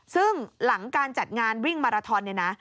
ซึ่งหลังการจัดงานวิ่งมาราทอนเนี่ยนะ